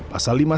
pasal lima sabtu